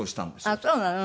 ああそうなの！